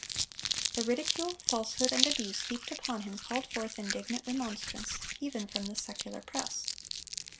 The ridicule, falsehood, and abuse heaped upon him called forth indignant remonstrance, even from the secular press.